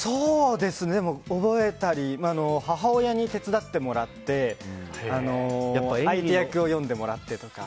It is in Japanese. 覚えたり母親に手伝ってもらって相手役を読んでもらったりとか。